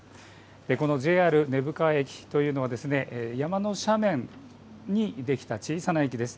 このＪＲ根府川駅というのは山の斜面にできた小さな駅です。